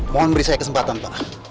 mohon beri saya kesempatan pak